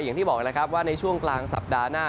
อย่างที่บอกแล้วครับว่าในช่วงกลางสัปดาห์หน้า